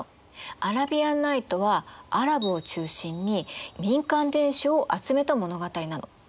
「アラビアンナイト」はアラブを中心に民間伝承を集めた物語なの。